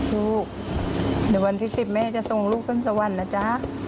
ลูกเดี๋ยววันที่๑๐แม่จะส่งลูกขึ้นสวรรค์นะจ๊ะ